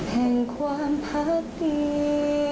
แห่งความพักดี